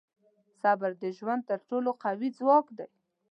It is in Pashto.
• صبر د ژوند تر ټولو قوي ځواک دی.